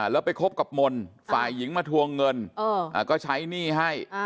แล้วไปคบกับมนต์ฝ่ายหญิงมาทวงเงินก็ใช้หนี้ให้